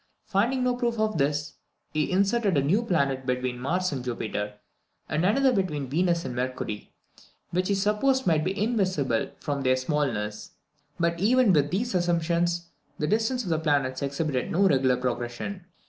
Finding no proof of this, he inserted a new planet between Mars and Jupiter, and another between Venus and Mercury, which he supposed might be invisible from their smallness; but even with these assumptions the distances of the planets exhibited no regular progression.